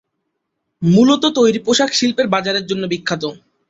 মূলত তৈরি পোশাক শিল্পের বাজারের জন্য বিখ্যাত।